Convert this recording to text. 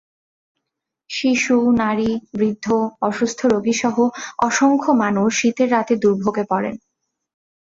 শিশু, নারী, বৃদ্ধ, অসুস্থ রোগীসহ অসংখ্য মানুষ শীতের রাতে দুর্ভোগে পড়েন।